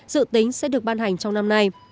dự tính sẽ được ban hành trong năm nay